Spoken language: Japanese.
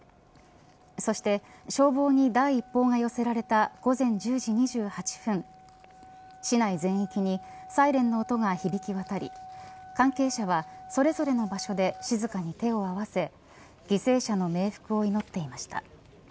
そして消防に第一報が寄せられた午前１０時２８分市内全域にサイレンの音が響きわたり関係者は、それぞれの場所で静かに手を合わせ犠牲者の冥福を祈っていました。